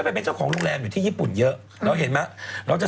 มาช่วยเรื่องธุรกิจมีเงินใช่ไหม